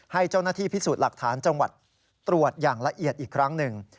ให้เจ้าหน้าที่พิสูจน์หลักฐานจังหวัดตรวจอย่างละเอียดอีกครั้งหนึ่ง